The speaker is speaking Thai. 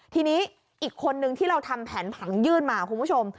ทีนี้อีกคนนึงที่เราทำแผนผังยื่นมาคุณผู้ชม